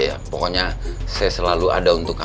iya pokoknya saya selalu ada untuk lo ya